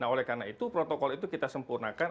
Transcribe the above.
nah oleh karena itu protokol itu kita sempurnakan